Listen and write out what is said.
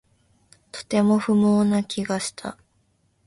とても不毛な気がした